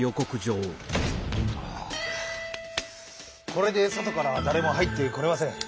これでそとからはだれも入ってこれません。